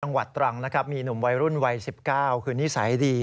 จังหวัดตรังนะครับมีหนุ่มวัยรุ่นวัย๑๙คือนิสัยดี